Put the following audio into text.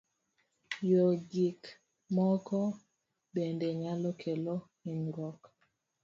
Yueyo gik moko bende nyalo kelo hinyruok.